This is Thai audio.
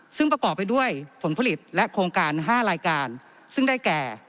ซึ่งประกอบไปด้วยผลผลิตและโครงการ๕รายการซึ่งได้แก่